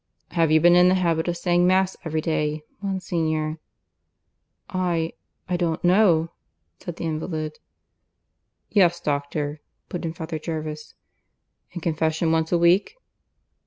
"Have you been in the habit of saying Mass every day, Monsignor?" "I ... I don't know," said the invalid. "Yes, doctor," put in Father Jervis. "And confession once a week?"